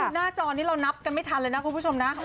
หน้าจอนี้เรานับกันไม่ทันเลยนะคุณผู้ชมนะ